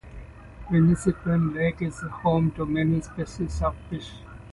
Winnisquam Lake is home to many species of fish.